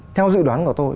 theo dự đoán của tôi